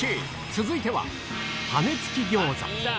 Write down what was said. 続いては、羽根つき餃子。